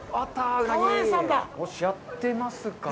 やってますかね？